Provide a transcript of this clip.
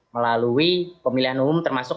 melalui pemilihan umum termasuk